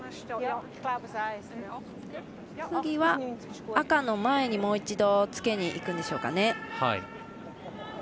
次は、赤の前にもう一度つけにいくんでしょうかね。